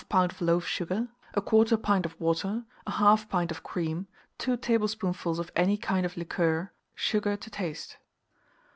of loaf sugar, 1/4 pint of water, 1/2 pint of cream, 2 tablespoonfuls of any kind of liqueur, sugar to taste.